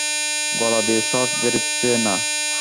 গলা দিয়ে স্বর বেরুচ্ছে না।